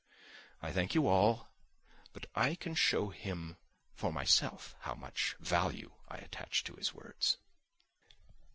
"I thank you all, but I can show him for myself how much value I attach to his words."